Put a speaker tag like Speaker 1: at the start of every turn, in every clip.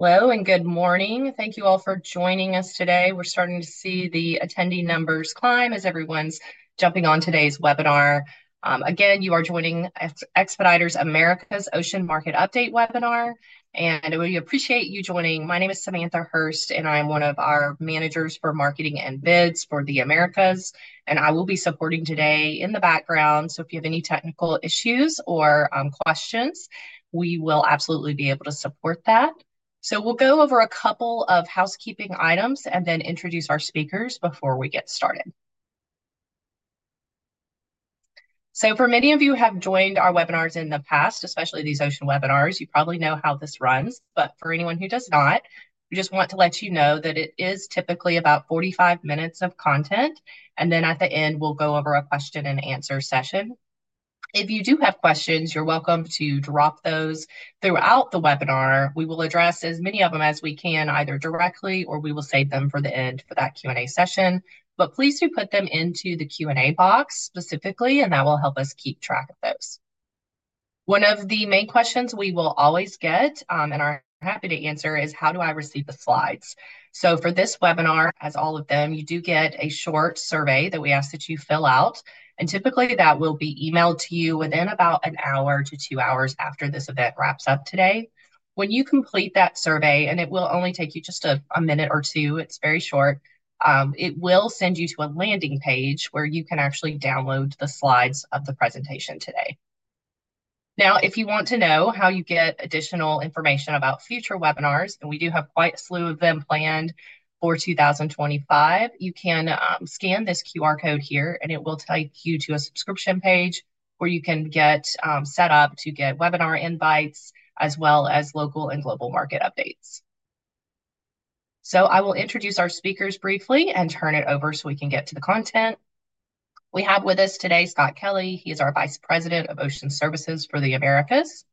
Speaker 1: Hello and good morning. Thank you all for joining us today. We're starting to see the attendee numbers climb as everyone's jumping on today's webinar. Again, you are joining Expeditors Americas Ocean Market Update webinar, and we appreciate you joining. My name is Samantha Hurst, and I'm one of our managers for marketing and bids for the Americas. And I will be supporting today in the background. So if you have any technical issues or questions, we will absolutely be able to support that. So we'll go over a couple of housekeeping items and then introduce our speakers before we get started. So for many of you who have joined our webinars in the past, especially these Ocean webinars, you probably know how this runs. But for anyone who does not, we just want to let you know that it is typically about 45 minutes of content. And then at the end, we'll go over a question and answer session. If you do have questions, you're welcome to drop those throughout the webinar. We will address as many of them as we can, either directly, or we will save them for the end for that Q&A session. But please do put them into the Q&A box specifically, and that will help us keep track of those. One of the main questions we will always get and are happy to answer is, "How do I receive the slides?" So for this webinar, as all of them, you do get a short survey that we ask that you fill out. And typically, that will be emailed to you within about an hour to two hours after this event wraps up today. When you complete that survey, and it will only take you just a minute or two, it's very short, it will send you to a landing page where you can actually download the slides of the presentation today. Now, if you want to know how you get additional information about future webinars, and we do have quite a slew of them planned for 2025, you can scan this QR code here, and it will take you to a subscription page where you can get set up to get webinar invites as well as local and global market updates, so I will introduce our speakers briefly and turn it over so we can get to the content. We have with us today Scott Kelly. He is our Vice President of Ocean Services for the Americas,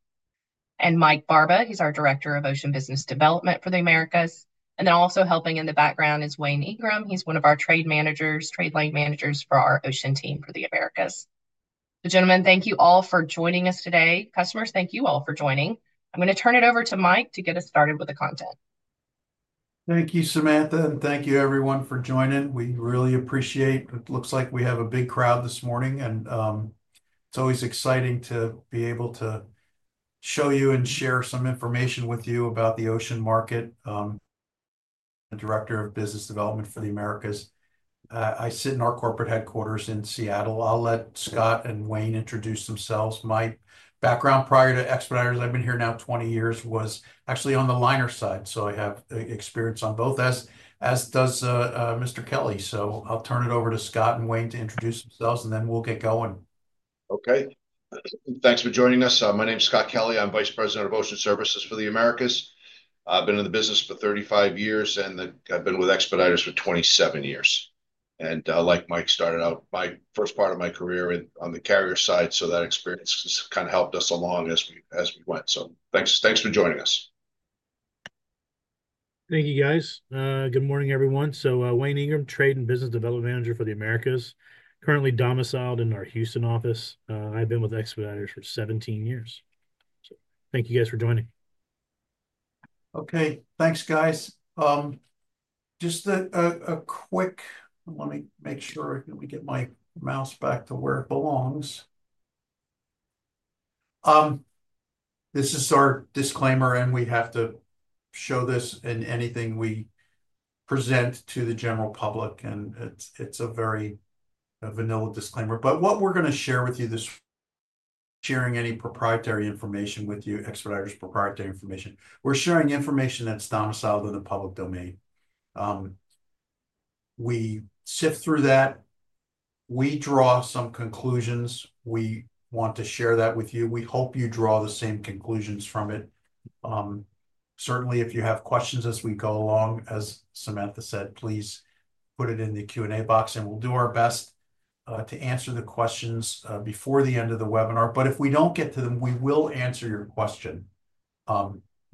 Speaker 1: and Mike Barba. He's our Director of Ocean Business Development for the Americas. And then also helping in the background is Wayne Ingram. He's one of our trade managers, trade lane managers for our Ocean Team for the Americas. So gentlemen, thank you all for joining us today. Customers, thank you all for joining. I'm going to turn it over to Mike to get us started with the content.
Speaker 2: Thank you, Samantha, and thank you, everyone, for joining. We really appreciate it. It looks like we have a big crowd this morning, and it's always exciting to be able to show you and share some information with you about the ocean market. I'm the Director of Ocean Business Development for the Americas. I sit in our corporate headquarters in Seattle. I'll let Scott and Wayne introduce themselves. My background prior to Expeditors, I've been here now 20 years, was actually on the liner side. So I have experience on both, as does Mr. Kelly. So I'll turn it over to Scott and Wayne to introduce themselves, and then we'll get going.
Speaker 3: Okay. Thanks for joining us. My name is Scott Kelly. I'm Vice President of Ocean Services for the Americas. I've been in the business for 35 years, and I've been with Expeditors for 27 years, and like Mike started out, my first part of my career on the carrier side, so that experience has kind of helped us along as we went. So thanks for joining us.
Speaker 4: Thank you, guys. Good morning, everyone. So Wayne Ingram, Trade and Business Development Manager for the Americas, currently domiciled in our Houston office. I've been with Expeditors for 17 years. So thank you, guys, for joining.
Speaker 2: Okay. Thanks, guys. Just a quick, let me make sure we get my mouse back to where it belongs. This is our disclaimer, and we have to show this in anything we present to the general public. And it's a very vanilla disclaimer. But what we're going to share with you, this sharing any proprietary information with you, Expeditors' proprietary information, we're sharing information that's domiciled in the public domain. We sift through that. We draw some conclusions. We want to share that with you. We hope you draw the same conclusions from it. Certainly, if you have questions as we go along, as Samantha said, please put it in the Q&A box, and we'll do our best to answer the questions before the end of the webinar. But if we don't get to them, we will answer your question.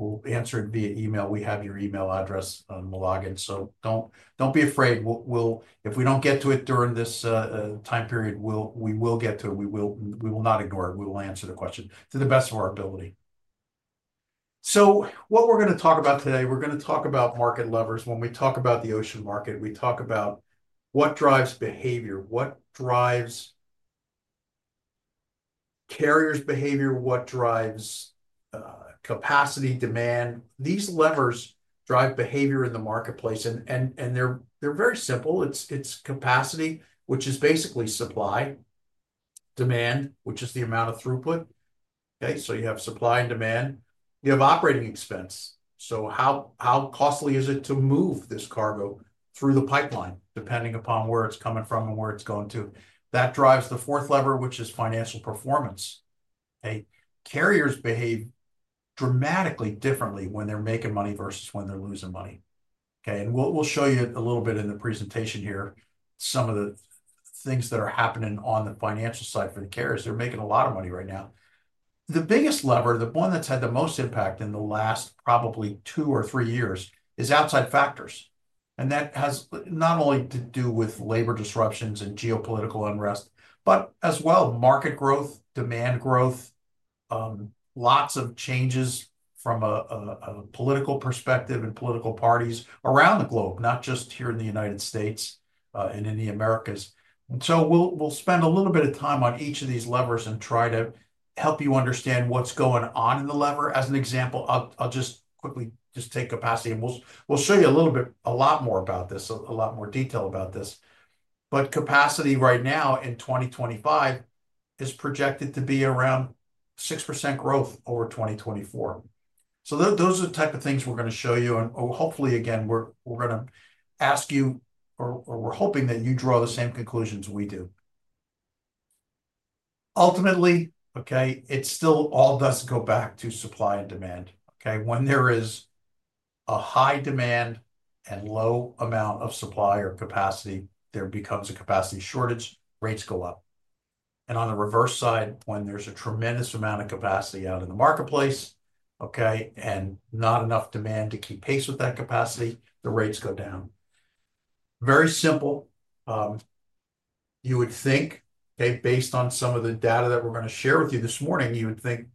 Speaker 2: We'll answer it via email. We have your email address on the login. So don't be afraid. If we don't get to it during this time period, we will get to it. We will not ignore it. We will answer the question to the best of our ability. So what we're going to talk about today, we're going to talk about market levers. When we talk about the ocean market, we talk about what drives behavior, what drives carriers' behavior, what drives capacity, demand. These levers drive behavior in the marketplace. And they're very simple. It's capacity, which is basically supply, demand, which is the amount of throughput. Okay? So you have supply and demand. You have operating expense. So how costly is it to move this cargo through the pipeline, depending upon where it's coming from and where it's going to? That drives the fourth lever, which is financial performance. Carriers behave dramatically differently when they're making money versus when they're losing money. Okay? And we'll show you a little bit in the presentation here some of the things that are happening on the financial side for the carriers. They're making a lot of money right now. The biggest lever, the one that's had the most impact in the last probably two or three years, is outside factors. And that has not only to do with labor disruptions and geopolitical unrest, but as well, market growth, demand growth, lots of changes from a political perspective and political parties around the globe, not just here in the United States and in the Americas. And so we'll spend a little bit of time on each of these levers and try to help you understand what's going on in the lever. As an example, I'll just quickly just take capacity, and we'll show you a little bit, a lot more about this, a lot more detail about this. But capacity right now in 2025 is projected to be around 6% growth over 2024. So those are the type of things we're going to show you. And hopefully, again, we're going to ask you, or we're hoping that you draw the same conclusions we do. Ultimately, okay, it still all does go back to supply and demand. Okay? When there is a high demand and low amount of supply or capacity, there becomes a capacity shortage, rates go up. And on the reverse side, when there's a tremendous amount of capacity out in the marketplace, okay, and not enough demand to keep pace with that capacity, the rates go down. Very simple. You would think, okay, based on some of the data that we're going to share with you this morning, you would think,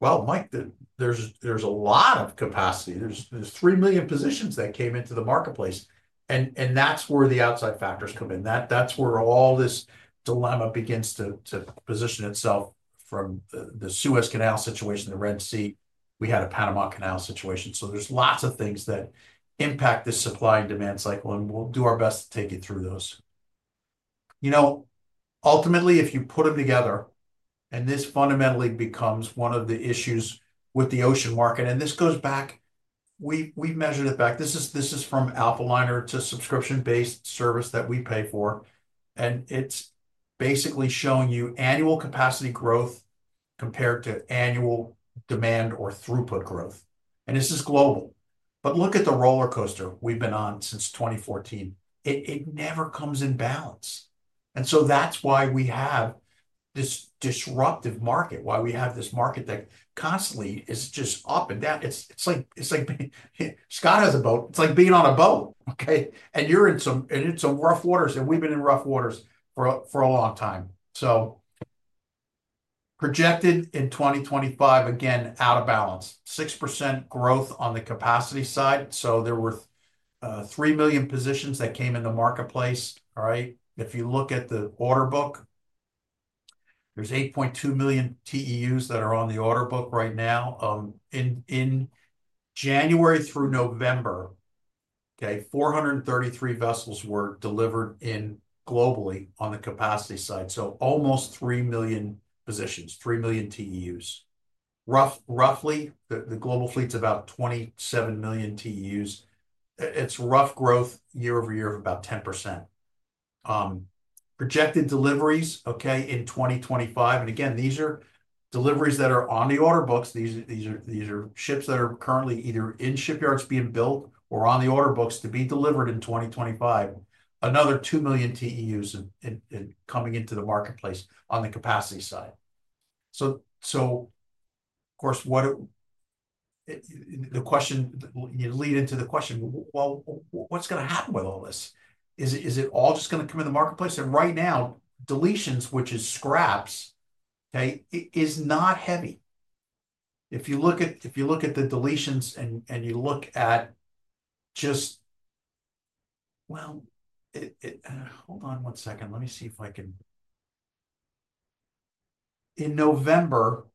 Speaker 2: "Well, Mike, there's a lot of capacity. There's 3 million positions that came into the marketplace." And that's where the outside factors come in. That's where all this dilemma begins to position itself from the Suez Canal situation, the Red Sea. We had a Panama Canal situation. So there's lots of things that impact this supply and demand cycle, and we'll do our best to take you through those. Ultimately, if you put them together, and this fundamentally becomes one of the issues with the ocean market, and this goes back, we measure it back. This is from Alphaliner, a subscription-based service that we pay for. And it's basically showing you annual capacity growth compared to annual demand or throughput growth. And this is global. But look at the roller coaster we've been on since 2014. It never comes in balance. And so that's why we have this disruptive market, why we have this market that constantly is just up and down. It's like Scott has a boat. It's like being on a boat, okay? And you're in some rough waters. And we've been in rough waters for a long time. So projected in 2025, again, out of balance, 6% growth on the capacity side. So there were 3 million positions that came in the marketplace, all right? If you look at the order book, there's 8.2 million TEUs that are on the order book right now. In January through November, okay, 433 vessels were delivered globally on the capacity side. So almost 3 million positions, 3 million TEUs. Roughly, the global fleet's about 27 million TEUs. It's robust growth year-over-year of about 10%. Projected deliveries, okay, in 2025. And again, these are deliveries that are on the order books. These are ships that are currently either in shipyards being built or on the order books to be delivered in 2025. Another 2 million TEUs coming into the marketplace on the capacity side. So of course, the question you lead into the question, "Well, what's going to happen with all this? Is it all just going to come in the marketplace?" And right now, deletions, which is scraps, okay, is not heavy. If you look at the deletions and you look at just, well, hold on one second. Let me see if I can. In November,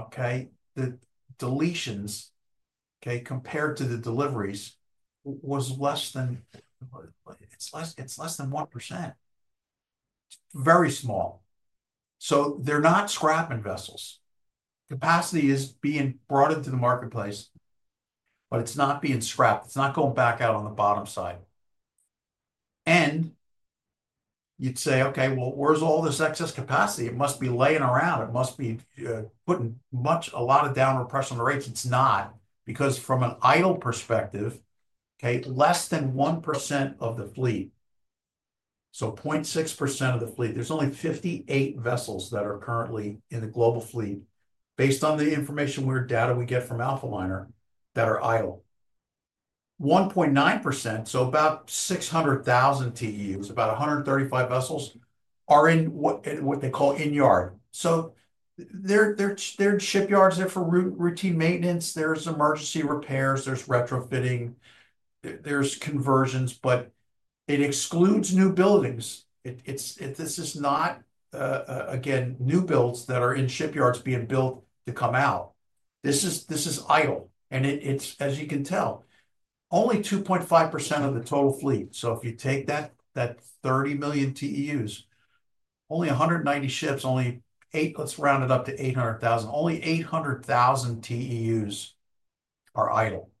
Speaker 2: okay, the deletions, okay, compared to the deliveries was less than 1%. Very small. So they're not scrapping vessels. Capacity is being brought into the marketplace, but it's not being scrapped. It's not going back out on the bottom side. And you'd say, "Okay, well, where's all this excess capacity? It must be laying around. It must be putting a lot of downward pressure on the rates." It's not. Because from an idle perspective, okay, less than 1% of the fleet. So 0.6% of the fleet. There's only 58 vessels that are currently in the global fleet, based on the data we get from Alphaliner, that are idle. 1.9%, so about 600,000 TEUs, about 135 vessels, are in what they call in yard. So they're shipyards. They're for routine maintenance. There's emergency repairs. There's retrofitting. There's conversions. But it excludes new buildings. This is not, again, new builds that are in shipyards being built to come out. This is idle. It's, as you can tell, only 2.5% of the total fleet. So if you take that 30 million TEUs, only 190 ships, only let's round it up to 800,000. Only 800,000 TEUs are idle.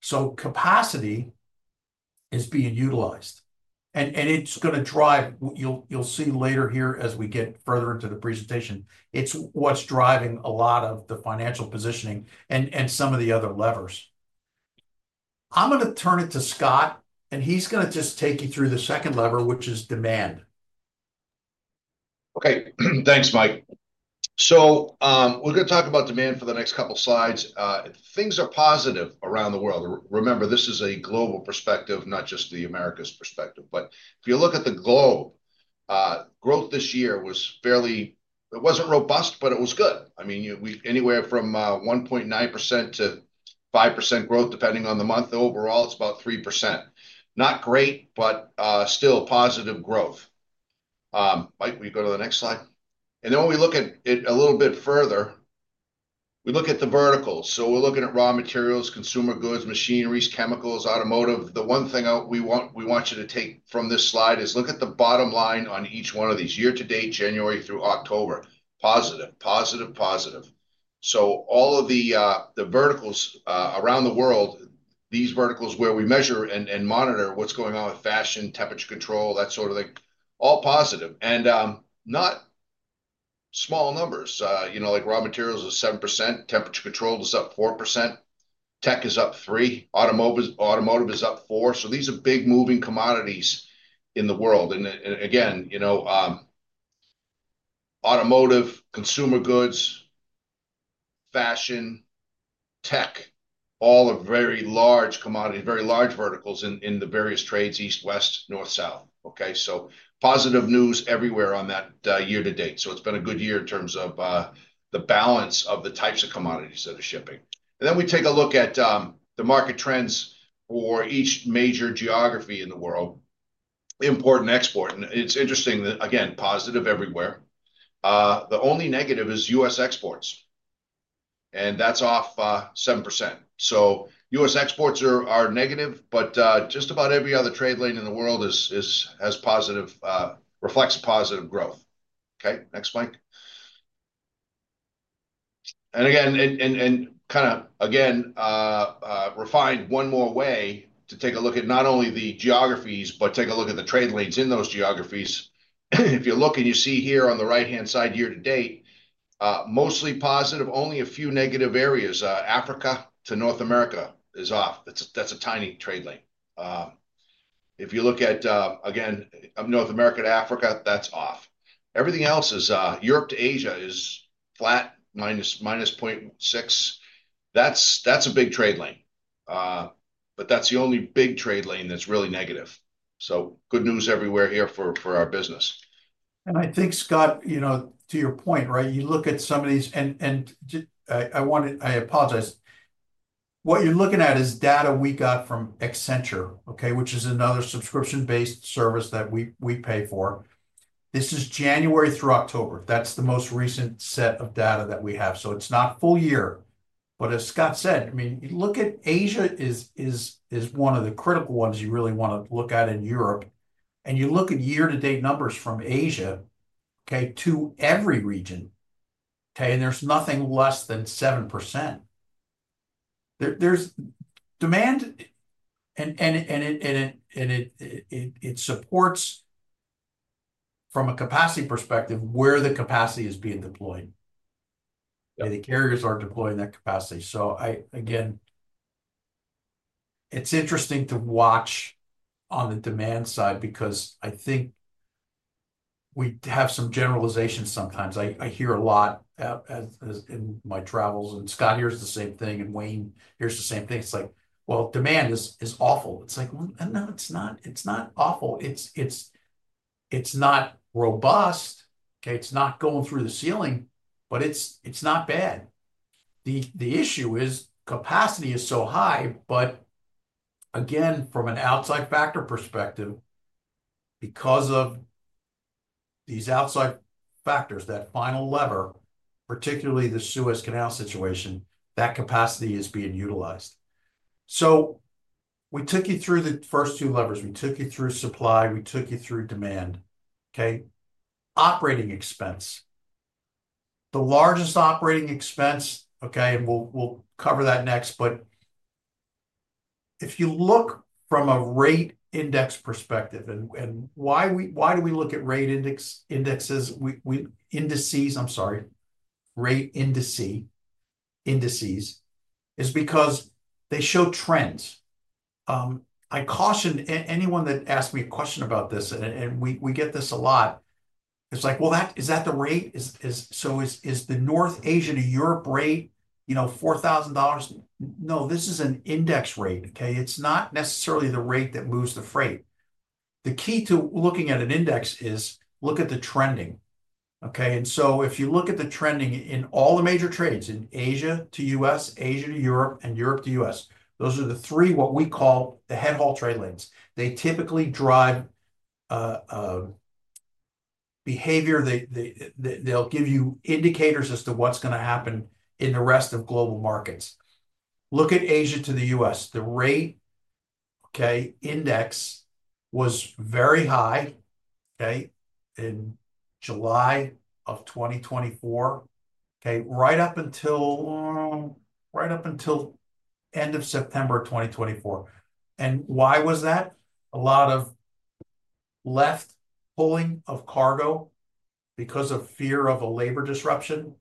Speaker 2: So capacity is being utilized. And it's going to drive what you'll see later here as we get further into the presentation. It's what's driving a lot of the financial positioning and some of the other levers. I'm going to turn it to Scott, and he's going to just take you through the second lever, which is demand.
Speaker 3: Okay. Thanks, Mike. So we're going to talk about demand for the next couple of slides. Things are positive around the world. Remember, this is a global perspective, not just the Americas perspective. But if you look at the globe, growth this year was fairly; it wasn't robust, but it was good. I mean, anywhere from 1.9%-5% growth, depending on the month. Overall, it's about 3%. Not great, but still positive growth. Mike, will you go to the next slide? And then when we look at it a little bit further, we look at the verticals. So we're looking at raw materials, consumer goods, machineries, chemicals, automotive. The one thing we want you to take from this slide is look at the bottom line on each one of these, year-to-date, January through October. Positive, positive, positive. All of the verticals around the world, these verticals where we measure and monitor what's going on with fashion, temperature control, that sort of thing, all positive. And not small numbers. Like raw materials is 7%. Temperature control is up 4%. Tech is up 3%. Automotive is up 4%. So these are big moving commodities in the world. And again, automotive, consumer goods, fashion, tech, all are very large commodities, very large verticals in the various trades, east, west, north, south. Okay? So positive news everywhere on that year-to-date. So it's been a good year in terms of the balance of the types of commodities that are shipping. And then we take a look at the market trends for each major geography in the world, import and export. And it's interesting that, again, positive everywhere. The only negative is U.S. exports. And that's off 7%. So U.S. exports are negative, but just about every other trade lane in the world has positive, reflects positive growth. Okay? Next, Mike. And again, kind of refined one more way to take a look at not only the geographies, but take a look at the trade lanes in those geographies. If you look and you see here on the right-hand side year-to-date, mostly positive, only a few negative areas. Africa to North America is off. That's a tiny trade lane. If you look at, again, North America to Africa, that's off. Everything else is. Europe to Asia is flat, -0.6%. That's a big trade lane. But that's the only big trade lane that's really negative. So good news everywhere here for our business.
Speaker 2: I think, Scott, to your point, right? You look at some of these, and I apologize. What you're looking at is data we got from Accenture, okay, which is another subscription-based service that we pay for. This is January through October. That's the most recent set of data that we have. So it's not full year. But as Scott said, I mean, look at Asia is one of the critical ones you really want to look at in Europe. And you look at year-to-date numbers from Asia, okay, to every region, okay, and there's nothing less than 7%. There's demand, and it supports from a capacity perspective where the capacity is being deployed. The carriers are deploying that capacity. So again, it's interesting to watch on the demand side because I think we have some generalizations sometimes. I hear a lot in my travels. Scott hears the same thing, and Wayne hears the same thing. It's like, "Well, demand is awful." It's like, "No, it's not awful. It's not robust. Okay? It's not going through the ceiling, but it's not bad." The issue is capacity is so high, but again, from an outside factor perspective, because of these outside factors, that final lever, particularly the Suez Canal situation, that capacity is being utilized. So we took you through the first two levers. We took you through supply. We took you through demand. Okay? Operating expense. The largest operating expense, okay, and we'll cover that next. If you look from a rate index perspective, and why do we look at rate indexes? Indices, I'm sorry. Rate indices is because they show trends. I caution anyone that asks me a question about this, and we get this a lot. It's like, "Well, is that the rate? So is the North Asia to Europe rate $4,000?" No, this is an index rate. Okay? It's not necessarily the rate that moves the freight. The key to looking at an index is look at the trending. Okay? And so if you look at the trending in all the major trades in Asia to U.S., Asia to Europe, and Europe to U.S., those are the three, what we call the head haul trade lanes. They typically drive behavior. They'll give you indicators as to what's going to happen in the rest of global markets. Look at Asia to the U.S. The rate, okay, index was very high, okay, in July of 2024, okay, right up until end of September 2024, and why was that? A lot of pre-pulling of cargo because of fear of a labor disruption,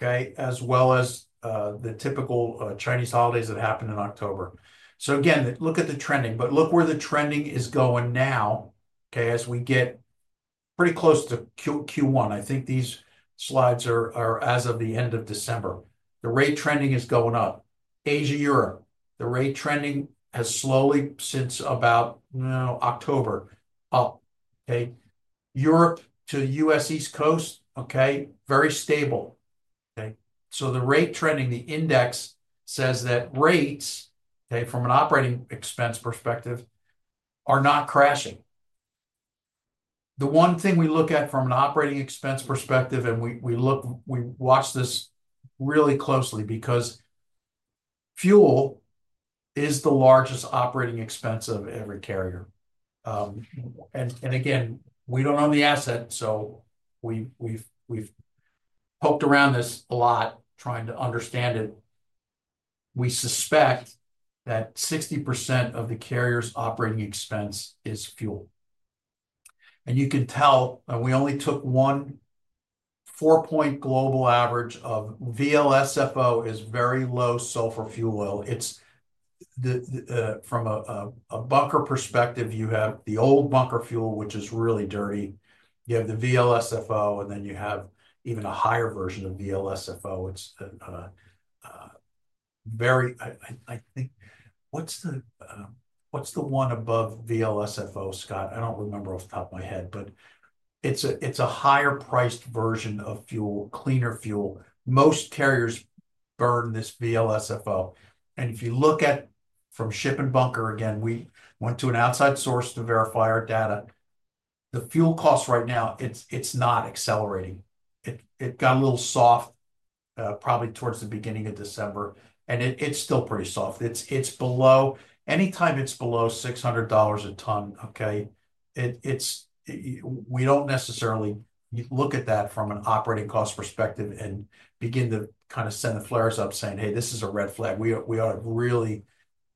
Speaker 2: okay, as well as the typical Chinese holidays that happened in October. So again, look at the trending. But look where the trending is going now, okay, as we get pretty close to Q1. I think these slides are as of the end of December. The rate trending is going up. Asia-Europe, the rate trending has slowly since about October, up. Okay? Europe to U.S. East Coast, okay, very stable. Okay? So the rate trending, the index says that rates, okay, from an operating expense perspective, are not crashing. The one thing we look at from an operating expense perspective, and we watch this really closely because fuel is the largest operating expense of every carrier. And again, we don't own the asset, so we've poked around this a lot trying to understand it. We suspect that 60% of the carrier's operating expense is fuel. And you can tell, and we only took a 14-point global average of VLSFO, which is very low sulfur fuel oil. From a bunker perspective, you have the old bunker fuel, which is really dirty. You have the VLSFO, and then you have even a higher version of VLSFO. It's very. I think what's the one above VLSFO, Scott? I don't remember off the top of my head, but it's a higher-priced version of fuel, cleaner fuel. Most carriers burn this VLSFO. And if you look at from Ship & Bunker, again, we went to an outside source to verify our data. The fuel cost right now, it's not accelerating. It got a little soft probably towards the beginning of December, and it's still pretty soft. Anytime it's below $600 a ton, okay, we don't necessarily look at that from an operating cost perspective and begin to kind of send the flares up saying, "Hey, this is a red flag. We ought to really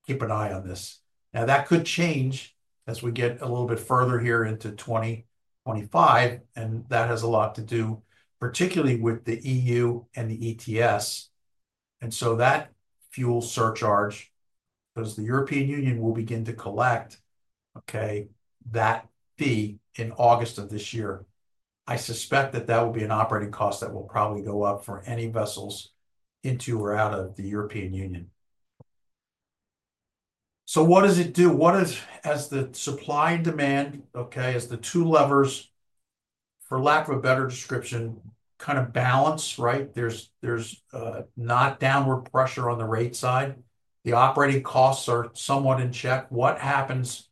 Speaker 2: keep an eye on this." Now, that could change as we get a little bit further here into 2025, and that has a lot to do particularly with the EU and the ETS, and so that fuel surcharge because the European Union will begin to collect, okay, that fee in August of this year. I suspect that that will be an operating cost that will probably go up for any vessels into or out of the European Union. So what does it do? What is, as the supply and demand, okay, as the two levers, for lack of a better description, kind of balance, right? There's no downward pressure on the rate side. The operating costs are somewhat in check. What happens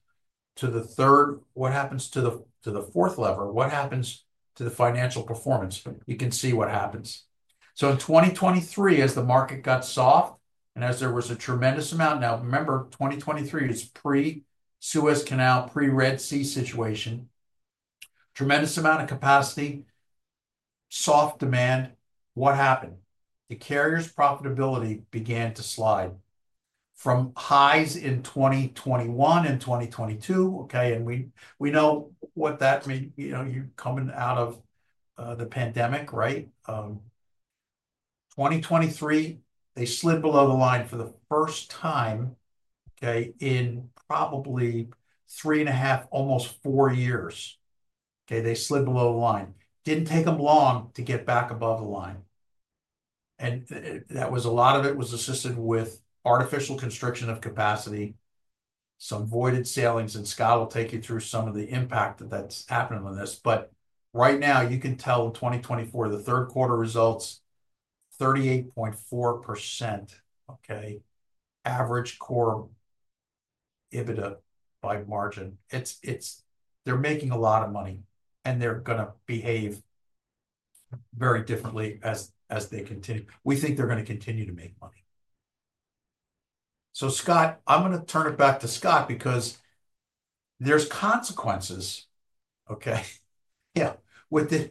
Speaker 2: to the third? What happens to the fourth lever? What happens to the financial performance? You can see what happens. So in 2023, as the market got soft and as there was a tremendous amount. Now, remember, 2023 is pre-Suez Canal, pre-Red Sea situation. Tremendous amount of capacity, soft demand. What happened? The carrier's profitability began to slide from highs in 2021 and 2022. Okay? And we know what that. I mean, you're coming out of the pandemic, right? 2023, they slid below the line for the first time, okay, in probably three and a half, almost four years. Okay? They slid below the line. Didn't take them long to get back above the line. And that was a lot of it was assisted with artificial constriction of capacity, some voided sailings. Scott will take you through some of the impact that's happening on this. Right now, you can tell in 2024, the third quarter results, 38.4%, okay, average core EBITDA margin. They're making a lot of money, and they're going to behave very differently as they continue. We think they're going to continue to make money. Scott, I'm going to turn it back to Scott because there's consequences, okay? Yeah. With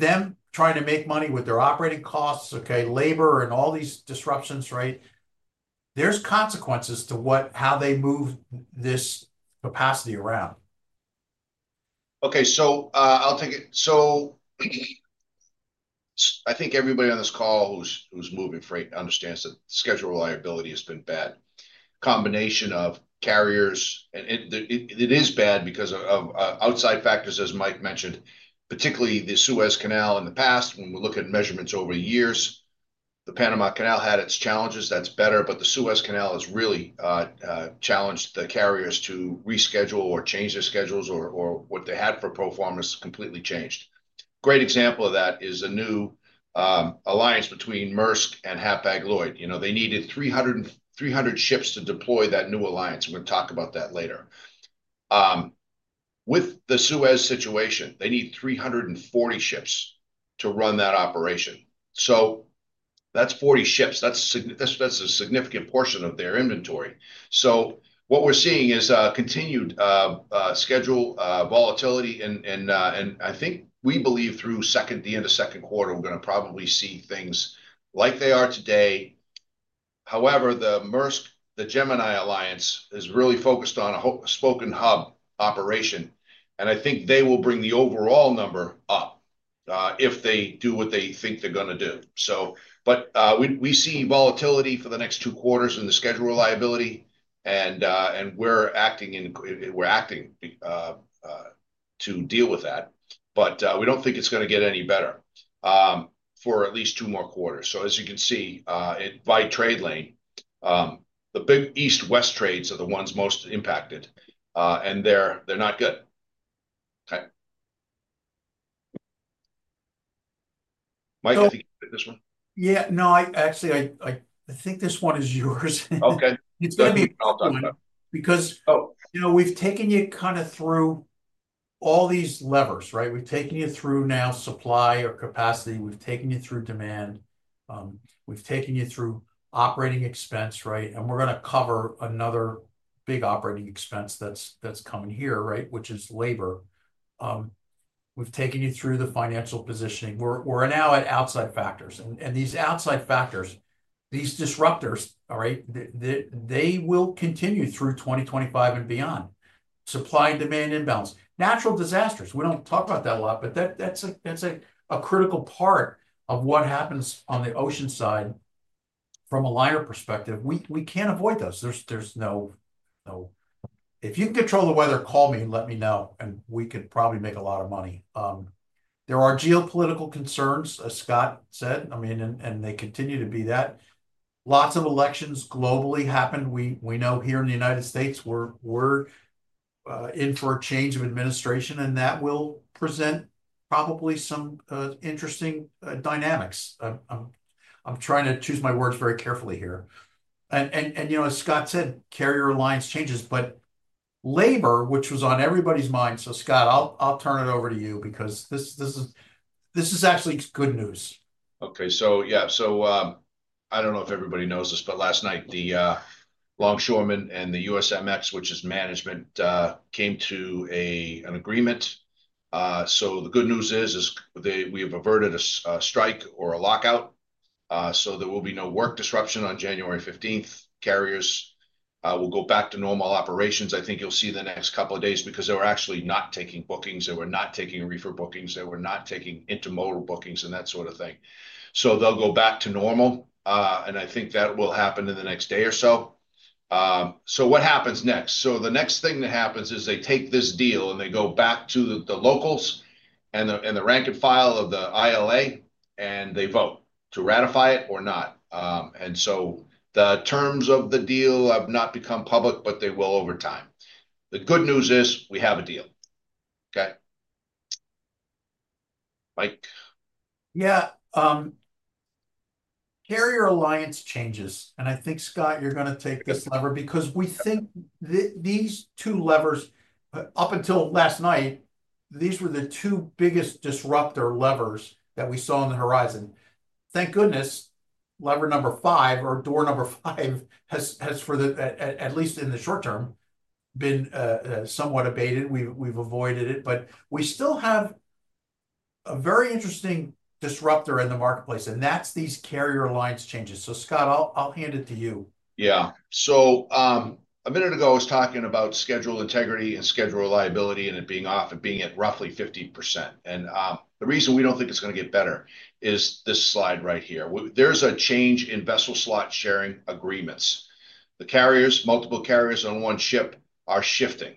Speaker 2: them trying to make money with their operating costs, okay, labor, and all these disruptions, right? There's consequences to how they move this capacity around.
Speaker 3: Okay. So I'll take it. So I think everybody on this call who's moving freight understands that schedule reliability has been bad. Combination of carriers. And it is bad because of outside factors, as Mike mentioned, particularly the Suez Canal in the past. When we look at measurements over the years, the Panama Canal had its challenges. That's better. But the Suez Canal has really challenged the carriers to reschedule or change their schedules or what they had for proformas completely changed. Great example of that is a new alliance between Maersk and Hapag-Lloyd. They needed 300 ships to deploy that new alliance. We're going to talk about that later. With the Suez situation, they need 340 ships to run that operation. So that's 40 ships. That's a significant portion of their inventory. So what we're seeing is continued schedule volatility. I think we believe through the end of second quarter, we're going to probably see things like they are today. However, the Maersk, the Gemini alliance is really focused on a hub-and-spoke operation. And I think they will bring the overall number up if they do what they think they're going to do. But we see volatility for the next two quarters in the schedule reliability. And we're acting to deal with that. But we don't think it's going to get any better for at least two more quarters. So as you can see, by trade lane, the big east-west trades are the ones most impacted. And they're not good. Okay. Mike, I think you can take this one.
Speaker 2: Yeah. No, actually, I think this one is yours.
Speaker 3: Okay.
Speaker 2: It's going to be fun because we've taken you kind of through all these levers, right? We've taken you through now supply or capacity. We've taken you through demand. We've taken you through operating expense, right? And we're going to cover another big operating expense that's coming here, right, which is labor. We've taken you through the financial positioning. We're now at outside factors. And these outside factors, these disruptors, all right, they will continue through 2025 and beyond. Supply and demand imbalance. Natural disasters. We don't talk about that a lot, but that's a critical part of what happens on the ocean side from a liner perspective. We can't avoid those. There's no, if you can control the weather, call me and let me know, and we could probably make a lot of money. There are geopolitical concerns, as Scott said, I mean, and they continue to be that. Lots of elections globally happen. We know here in the United States, we're in for a change of administration, and that will present probably some interesting dynamics. I'm trying to choose my words very carefully here and as Scott said, carrier alliance changes but labor, which was on everybody's mind, so Scott, I'll turn it over to you because this is actually good news.
Speaker 3: Okay. So yeah. So I don't know if everybody knows this, but last night, the Longshoremen and the USMX, which is management, came to an agreement. The good news is we have averted a strike or a lockout. There will be no work disruption on January 15th. Carriers will go back to normal operations. I think you'll see the next couple of days because they were actually not taking bookings. They were not taking reefer bookings. They were not taking intermodal bookings and that sort of thing. They'll go back to normal. And I think that will happen in the next day or so. What happens next? The next thing that happens is they take this deal and they go back to the locals and the rank and file of the ILA, and they vote to ratify it or not. And so the terms of the deal have not become public, but they will over time. The good news is we have a deal. Okay? Mike.
Speaker 2: Yeah. Carrier alliance changes. And I think, Scott, you're going to take this lever because we think these two levers, up until last night, these were the two biggest disruptor levers that we saw on the horizon. Thank goodness lever number five or door number five has, at least in the short term, been somewhat abated. We've avoided it. But we still have a very interesting disruptor in the marketplace, and that's these carrier alliance changes. So Scott, I'll hand it to you.
Speaker 3: Yeah. So a minute ago, I was talking about schedule integrity and schedule reliability and it being off and being at roughly 50%, and the reason we don't think it's going to get better is this slide right here. There's a change in vessel slot sharing agreements. The carriers, multiple carriers on one ship, are shifting,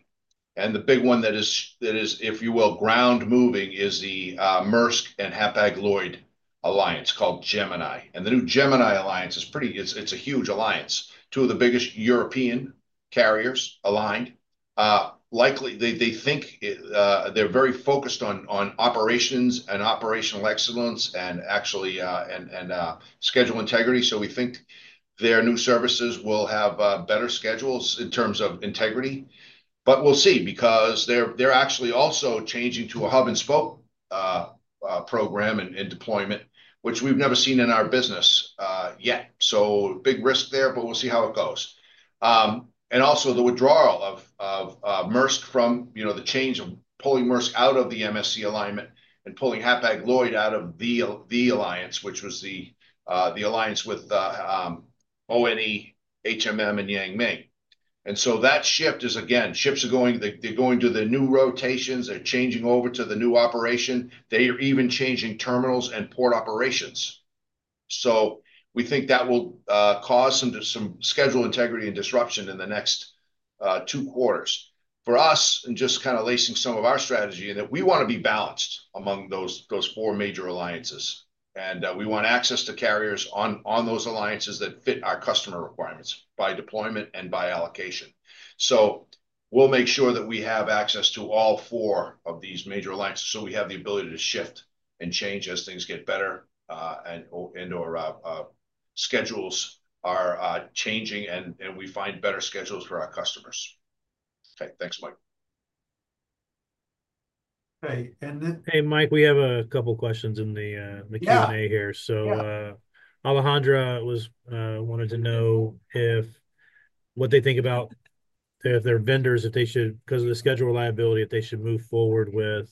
Speaker 3: and the big one that is, if you will, ground-moving is the Maersk and Hapag-Lloyd alliance called Gemini, and the new Gemini alliance, it's a huge alliance. Two of the biggest European carriers aligned. They think they're very focused on operations and operational excellence and actually schedule integrity, so we think their new services will have better schedules in terms of integrity. But we'll see because they're actually also changing to a hub-and-spoke program and deployment, which we've never seen in our business yet, so big risk there, but we'll see how it goes. And also the withdrawal of Maersk from the change of pulling Maersk out of the MSC alliance and pulling Hapag-Lloyd out of the alliance, which was the alliance with ONE and Yang Ming. And so that shift is, again, ships are going to the new rotations. They are changing over to the new operation. They are even changing terminals and port operations. So we think that will cause some schedule reliability and disruption in the next two quarters. For us, and just kind of laying some of our strategy, we want to be balanced among those four major alliances. And we want access to carriers on those alliances that fit our customer requirements by deployment and by allocation. So we'll make sure that we have access to all four of these major alliances so we have the ability to shift and change as things get better and/or schedules are changing and we find better schedules for our customers. Okay. Thanks, Mike.
Speaker 2: Hey, and then.
Speaker 4: Hey, Mike. We have a couple of questions in the Q&A here. So Alejandra wanted to know what they think about their vendors because of the schedule reliability, that they should move forward with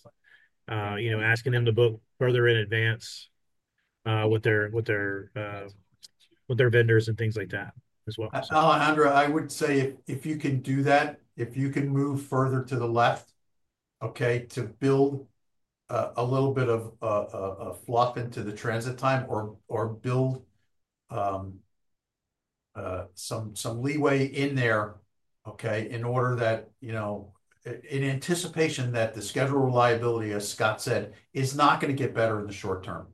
Speaker 4: asking them to book further in advance with their vendors and things like that as well.
Speaker 2: Alejandra, I would say if you can do that, if you can move further to the left, okay, to build a little bit of a fluff into the transit time or build some leeway in there, okay, in order that in anticipation that the schedule reliability, as Scott said, is not going to get better in the short term.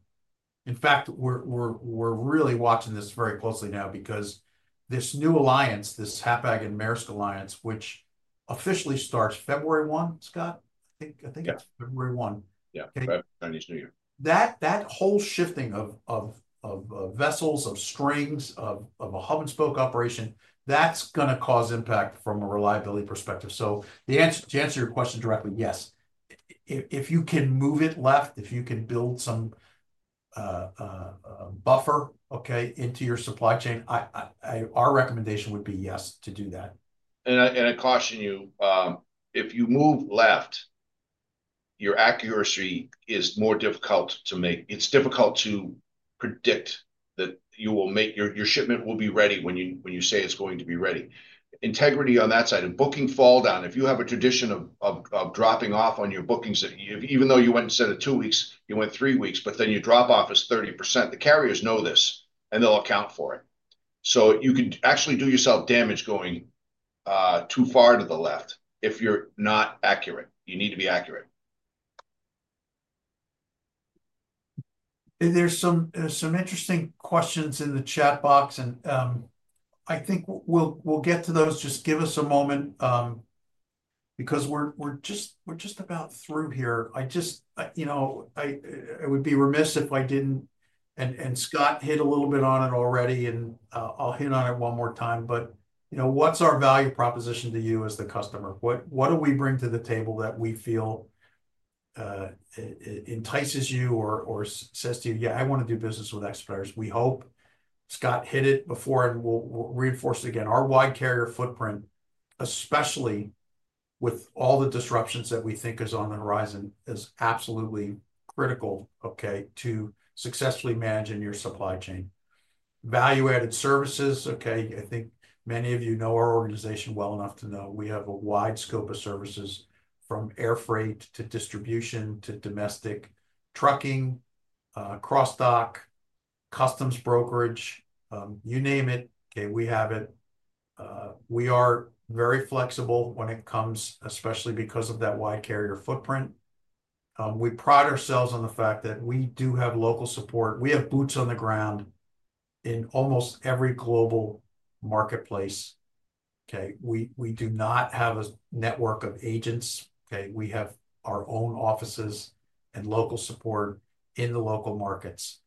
Speaker 2: In fact, we're really watching this very closely now because this new alliance, this Hapag and Maersk alliance, which officially starts February 1, Scott, I think it's February 1.
Speaker 3: Yeah. February 1 is New Year.
Speaker 2: That whole shifting of vessels, of strings, of a hub-and-spoke operation, that's going to cause impact from a reliability perspective. So to answer your question directly, yes. If you can move it left, if you can build some buffer, okay, into your supply chain, our recommendation would be yes to do that.
Speaker 3: And I caution you, if you move left, your accuracy is more difficult to make. It's difficult to predict that your shipment will be ready when you say it's going to be ready. Integrity on that side. And booking fall down. If you have a tradition of dropping off on your bookings, even though you went instead of two weeks, you went three weeks, but then your drop-off is 30%. The carriers know this, and they'll account for it. So you can actually do yourself damage going too far to the left if you're not accurate. You need to be accurate.
Speaker 2: There's some interesting questions in the chat box. I think we'll get to those. Just give us a moment because we're just about through here. I would be remiss if I didn't. Scott hit a little bit on it already, and I'll hit on it one more time. What's our value proposition to you as the customer? What do we bring to the table that we feel entices you or says to you, "Yeah, I want to do business with Expeditors"? We hope Scott hit it before, and we'll reinforce it again. Our wide carrier footprint, especially with all the disruptions that we think is on the horizon, is absolutely critical, okay, to successfully managing your supply chain. Value-added services, okay, I think many of you know our organization well enough to know we have a wide scope of services from air freight to distribution to domestic trucking, cross-dock, customs brokerage, you name it, okay, we have it. We are very flexible when it comes, especially because of that wide carrier footprint. We pride ourselves on the fact that we do have local support. We have boots on the ground in almost every global marketplace. Okay? We do not have a network of agents. Okay? We have our own offices and local support in the local markets.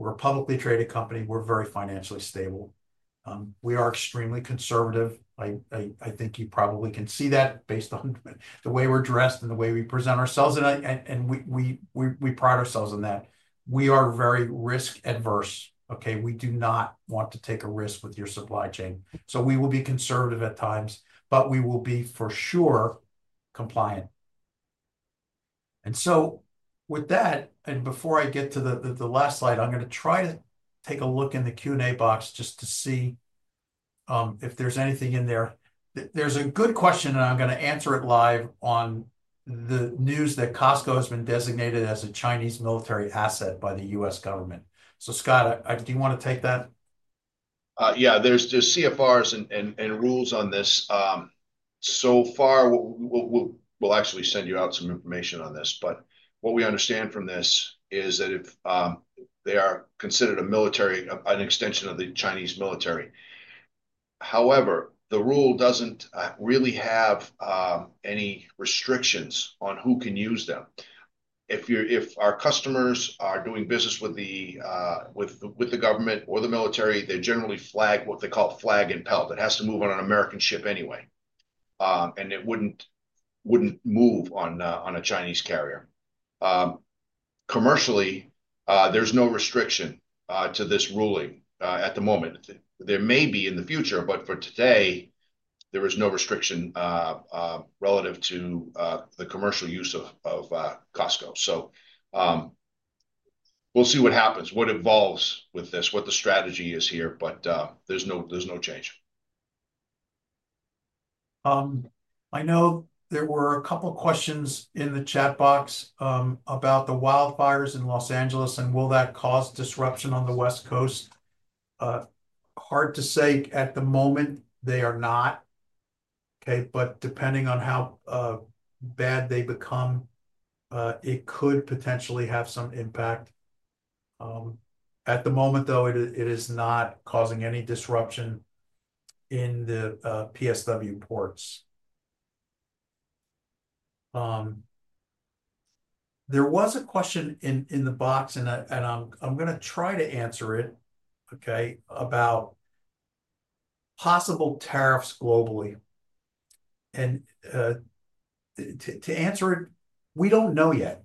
Speaker 2: We're a publicly traded company. We're very financially stable. We are extremely conservative. I think you probably can see that based on the way we're dressed and the way we present ourselves, and we pride ourselves on that. We are very risk-averse. Okay? We do not want to take a risk with your supply chain, so we will be conservative at times, but we will be for sure compliant, and so with that, and before I get to the last slide, I'm going to try to take a look in the Q&A box just to see if there's anything in there. There's a good question, and I'm going to answer it live on the news that COSCO has been designated as a Chinese military company by the U.S. government. So Scott, do you want to take that?
Speaker 3: Yeah. There's CFRs and rules on this. So far, we'll actually send you out some information on this. But what we understand from this is that they are considered an extension of the Chinese military. However, the rule doesn't really have any restrictions on who can use them. If our customers are doing business with the government or the military, they generally flag what they call U.S. Flag Impelled. It has to move on an American ship anyway. And it wouldn't move on a Chinese carrier. Commercially, there's no restriction to this ruling at the moment. There may be in the future, but for today, there is no restriction relative to the commercial use of COSCO. So we'll see what happens, what evolves with this, what the strategy is here. But there's no change.
Speaker 2: I know there were a couple of questions in the chat box about the wildfires in Los Angeles and will that cause disruption on the West Coast. Hard to say at the moment. They are not. Okay? But depending on how bad they become, it could potentially have some impact. At the moment, though, it is not causing any disruption in the PSW ports. There was a question in the box, and I'm going to try to answer it, okay, about possible tariffs globally. And to answer it, we don't know yet.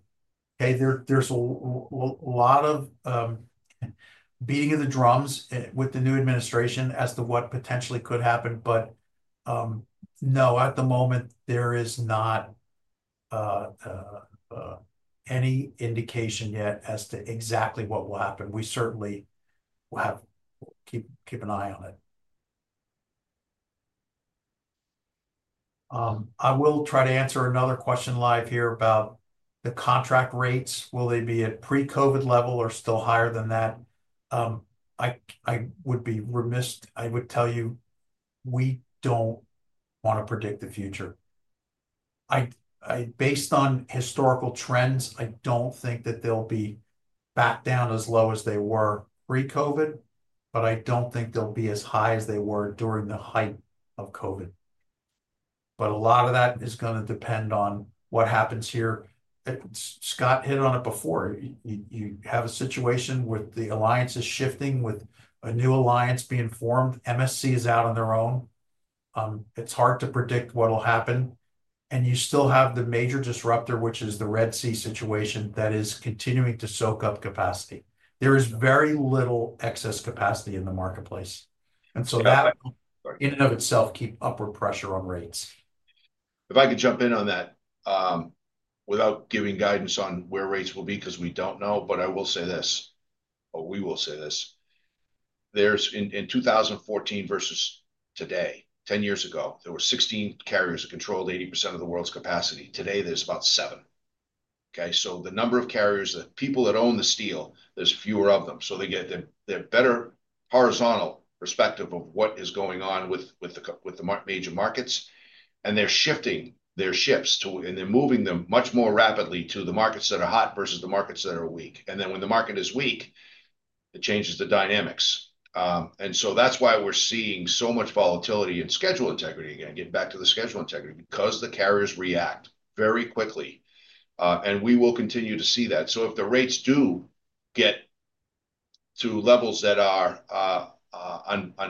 Speaker 2: Okay? There's a lot of beating of the drums with the new administration as to what potentially could happen. But no, at the moment, there is not any indication yet as to exactly what will happen. We certainly will keep an eye on it. I will try to answer another question live here about the contract rates. Will they be at pre-COVID level or still higher than that? I would be remiss to tell you we don't want to predict the future. Based on historical trends, I don't think that they'll be back down as low as they were pre-COVID, but I don't think they'll be as high as they were during the height of COVID. But a lot of that is going to depend on what happens here. Scott hit on it before. You have a situation with the alliances shifting with a new alliance being formed. MSC is out on their own. It's hard to predict what will happen. And you still have the major disruptor, which is the Red Sea situation that is continuing to soak up capacity. There is very little excess capacity in the marketplace. And so that in and of itself, keeps upward pressure on rates.
Speaker 3: If I could jump in on that without giving guidance on where rates will be because we don't know, but I will say this, or we will say this. In 2014 versus today, 10 years ago, there were 16 carriers that controlled 80% of the world's capacity. Today, there's about 7. Okay, so the number of carriers, the people that own the steel, there's fewer of them, so they get the better horizontal perspective of what is going on with the major markets, and they're shifting their ships, and they're moving them much more rapidly to the markets that are hot versus the markets that are weak, then when the market is weak, it changes the dynamics, and so that's why we're seeing so much volatility and schedule integrity again, getting back to the schedule integrity, because the carriers react very quickly, and we will continue to see that. So if the rates do get to levels that are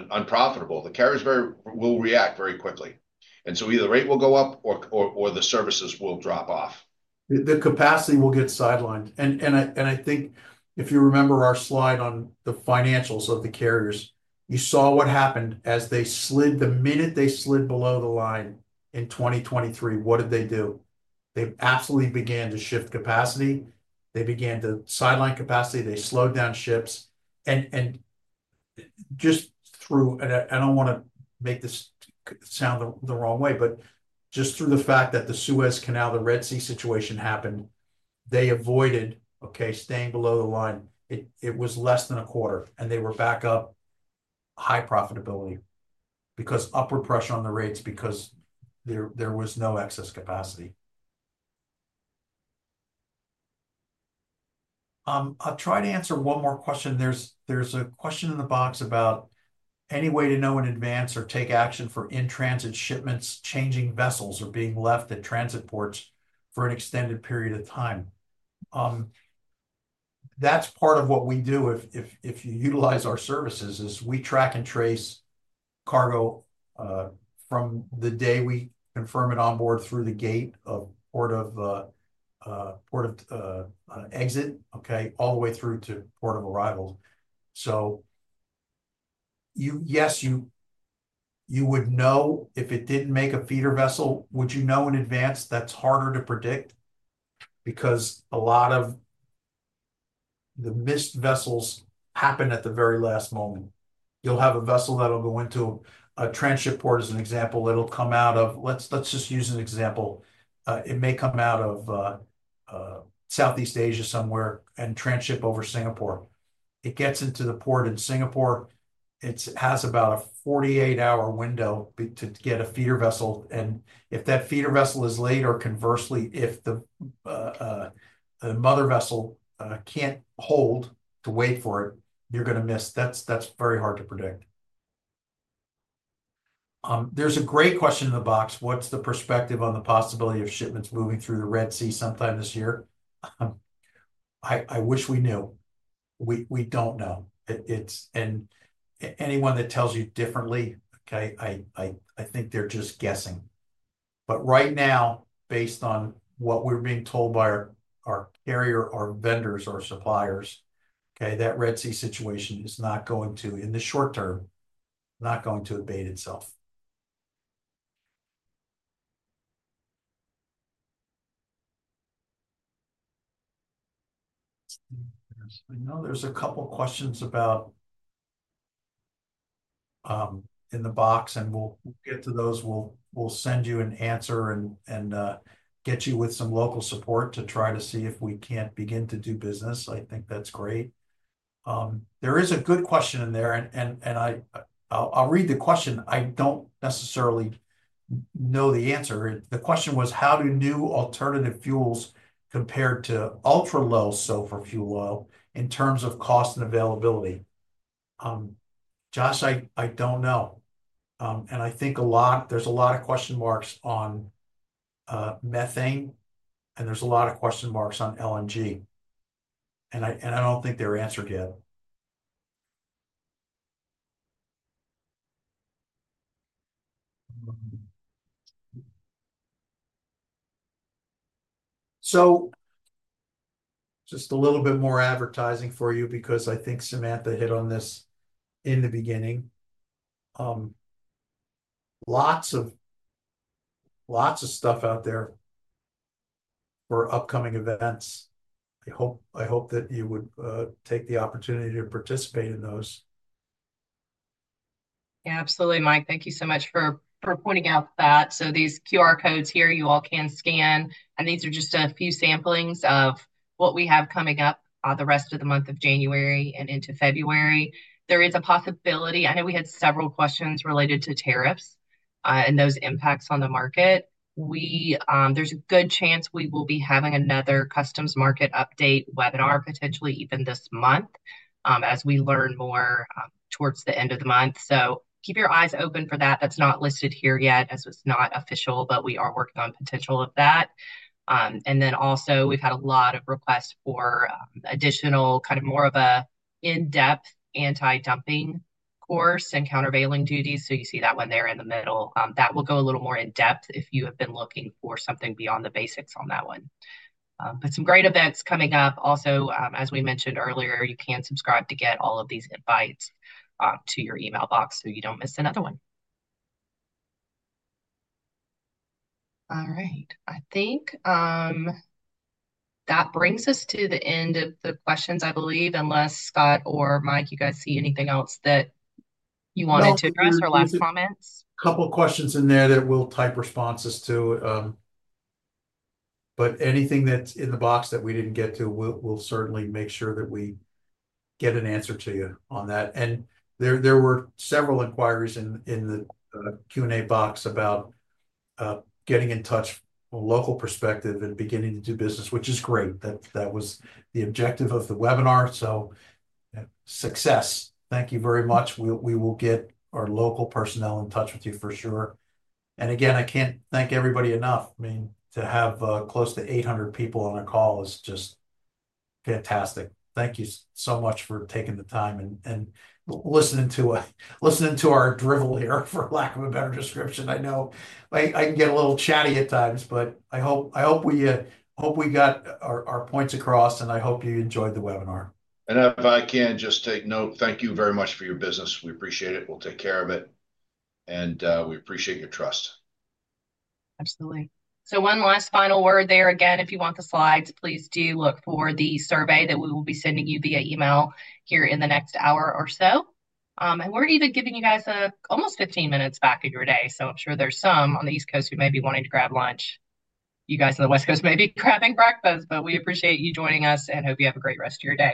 Speaker 3: unprofitable, the carriers will react very quickly. And so either the rate will go up or the services will drop off.
Speaker 2: The capacity will get sidelined. And I think if you remember our slide on the financials of the carriers, you saw what happened as they slid the minute they slid below the line in 2023. What did they do? They absolutely began to shift capacity. They began to sideline capacity. They slowed down ships. And just through, and I don't want to make this sound the wrong way, but just through the fact that the Suez Canal, the Red Sea situation happened, they avoided, okay, staying below the line. It was less than a quarter, and they were back up high profitability because of upward pressure on the rates because there was no excess capacity. I'll try to answer one more question. There's a question in the box about any way to know in advance or take action for in-transit shipments changing vessels or being left at transit ports for an extended period of time. That's part of what we do if you utilize our services is we track and trace cargo from the day we confirm it onboard through the gate of port of exit, okay, all the way through to port of arrival. So yes, you would know if it didn't make a feeder vessel, would you know in advance? That's harder to predict because a lot of the missed vessels happen at the very last moment. You'll have a vessel that'll go into a transship port as an example. It'll come out of, let's just use an example, it may come out of Southeast Asia somewhere and transship over Singapore. It gets into the port in Singapore. It has about a 48-hour window to get a feeder vessel, and if that feeder vessel is late or conversely, if the mother vessel can't hold to wait for it, you're going to miss. That's very hard to predict. There's a great question in the box. What's the perspective on the possibility of shipments moving through the Red Sea sometime this year? I wish we knew. We don't know, and anyone that tells you differently. Okay, I think they're just guessing, but right now, based on what we're being told by our carrier, our vendors, our suppliers, okay, that Red Sea situation is not going to abate itself in the short term. I know there's a couple of questions in the box, and we'll get to those. We'll send you an answer and get you with some local support to try to see if we can't begin to do business. I think that's great. There is a good question in there, and I'll read the question. I don't necessarily know the answer. The question was, how do new alternative fuels compare to very low sulfur fuel oil in terms of cost and availability? Josh, I don't know. And I think there's a lot of question marks on methane, and there's a lot of question marks on LNG. And I don't think they're answered yet. So just a little bit more advertising for you because I think Samantha hit on this in the beginning. Lots of stuff out there for upcoming events. I hope that you would take the opportunity to participate in those.
Speaker 1: Absolutely, Mike. Thank you so much for pointing out that. So these QR codes here, you all can scan. And these are just a few samplings of what we have coming up the rest of the month of January and into February. There is a possibility I know we had several questions related to tariffs and those impacts on the market. There's a good chance we will be having another customs market update webinar, potentially even this month as we learn more towards the end of the month. So keep your eyes open for that. That's not listed here yet as it's not official, but we are working on the potential of that. And then also, we've had a lot of requests for additional kind of more of an in-depth anti-dumping course and countervailing duties. So you see that one there in the middle. That will go a little more in-depth if you have been looking for something beyond the basics on that one. But some great events coming up. Also, as we mentioned earlier, you can subscribe to get all of these invites to your email box so you don't miss another one. All right. I think that brings us to the end of the questions, I believe, unless Scott or Mike, you guys see anything else that you wanted to address or last comments?
Speaker 3: A couple of questions in there that we'll type responses to. But anything that's in the box that we didn't get to, we'll certainly make sure that we get an answer to you on that. And there were several inquiries in the Q&A box about getting in touch, a local perspective, and beginning to do business, which is great. That was the objective of the webinar. So success. Thank you very much. We will get our local personnel in touch with you for sure. And again, I can't thank everybody enough. I mean, to have close to 800 people on a call is just fantastic. Thank you so much for taking the time and listening to our drivel here, for lack of a better description. I know I can get a little chatty at times, but I hope we got our points across, and I hope you enjoyed the webinar.
Speaker 2: If I can just take note, thank you very much for your business. We appreciate it. We'll take care of it. We appreciate your trust.
Speaker 1: Absolutely, so one last final word there again. If you want the slides, please do look for the survey that we will be sending you via email here in the next hour or so, and we're even giving you guys almost 15 minutes back of your day, so I'm sure there's some on the East Coast who may be wanting to grab lunch. You guys on the West Coast may be grabbing breakfast, but we appreciate you joining us and hope you have a great rest of your day.